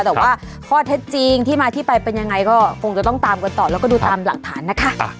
แต่ว่าข้อเท็จจริงที่มาที่ไปเป็นยังไงก็คงจะต้องตามกันต่อแล้วก็ดูตามหลักฐานนะคะ